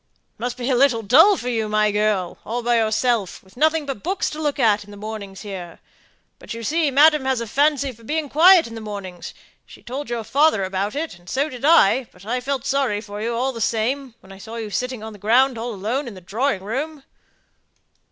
"It must be a little dull for you, my girl, all by yourself, with nothing but books to look at, in the mornings here; but you see, madam has a fancy for being quiet in the mornings: she told your father about it, and so did I, but I felt sorry for you all the same, when I saw you sitting on the ground all alone in the drawing room."